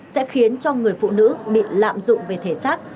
sẽ khiến cho người phụ nữ bị lạm dụng về thể xác